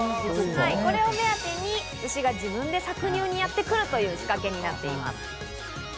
これを目当てに牛が自分で搾乳にやってくるという仕掛けになっています。